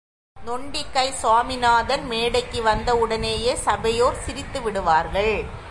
நொண்டிக் கை சுவாமிநாதன் மேடைக்கு வந்தவுடனேயே சபையோர் சிரித்து விடுவார்கள்.